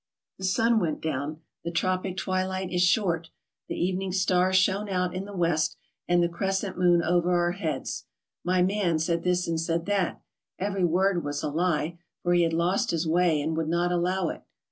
The sun went down. The tropic twilight is short. The evening star shone out in the west, and the crescent moon over our heads. My man said this and said that ; every word was a lie, for he had lost his way and would not allow it.